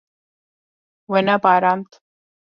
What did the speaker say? We nebarand.